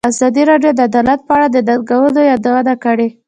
ازادي راډیو د عدالت په اړه د ننګونو یادونه کړې.